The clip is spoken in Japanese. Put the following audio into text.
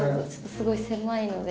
すごい狭いので。